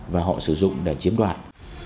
và họ sử dụng để chiếm đoạt